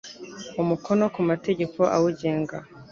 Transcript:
umukono ku mategeko awugenga